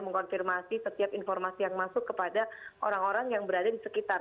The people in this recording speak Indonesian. mengkonfirmasi setiap informasi yang masuk kepada orang orang yang berada di sekitar